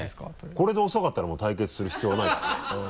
これで遅かったらもう対決する必要はないからね。